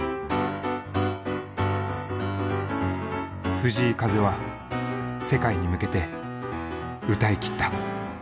藤井風は世界に向けて歌い切った。